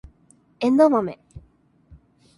エンドウマメ